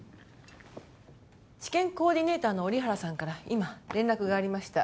治験コーディネーターの折原さんから今連絡がありました